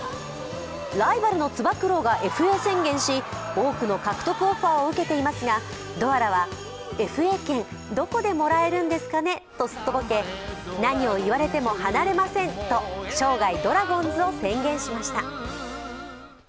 ライバルのつば九郎がＦＡ宣言をし多くの獲得オファーを受けていますがドアラはＦＡ券どこでもらえるんですかね？とすっとぼけ、何を言われても離れませんと生涯ドラゴンズを宣言しました。